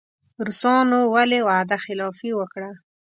روسانو ولې وعده خلافي وکړه.